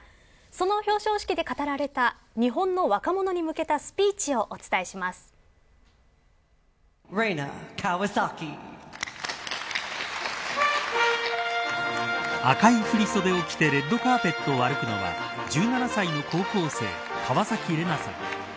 その表彰式で語られた日本の若者に向けた赤い振り袖を着てレッドカーペットを歩くのは１７歳の高校生川崎レナさん。